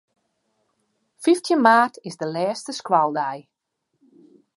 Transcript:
Fyftjin maart is de lêste skoaldei.